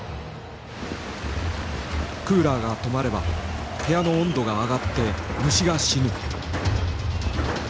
「クーラーが止まれば部屋の温度が上がって虫が死ぬ」。